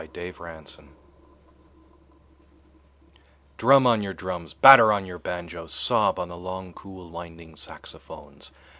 Jazz Fantasia DRUM on your drums, batter on your banjoes, sob on the long cool winding saxophones.